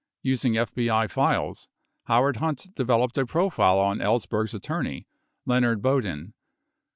Using FBI files, Howard Hunt developed a profile on Ellsberg's attorney, Leonard Boudin.